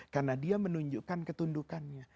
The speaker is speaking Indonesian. karena dia menunjukkan ketundukannya